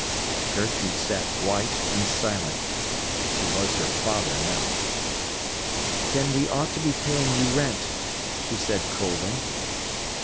Gertrude sat white and silent. She was her father now. "Then we ought to be paying you rent," she said coldly.